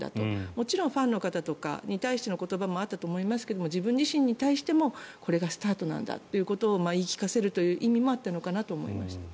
もちろんファンの方に対しての言葉もあったと思いますけど自分自身に対してもこれがスタートだというのを言い聞かせる意味でもあったのかなと思いました。